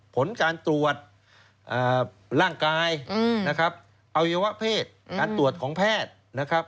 ผลการตรวจร่างกายเอาไว้วะเพศการตรวจของแพทย์